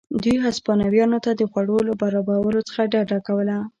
دوی هسپانویانو ته د خوړو له برابرولو څخه ډډه کوله.